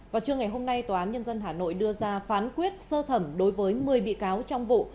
vào trưa ngày hôm nay tòa án nhân dân hà nội đưa ra phán quyết sơ thẩm đối với một mươi bị cáo trong vụ